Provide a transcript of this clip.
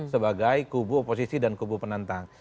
sebagai kubu oposisi dan kubu penantang